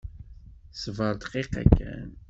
Ṣbeṛ dqiqa kan.